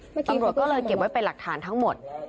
ตำรวจก็เลยเก็บไว้เป็นหลักฐานทั้งหมด